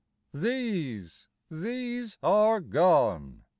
These, these are gone.